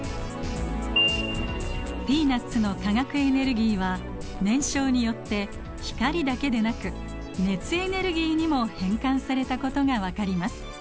ピーナッツの化学エネルギーは燃焼によって光だけでなく熱エネルギーにも変換されたことが分かります。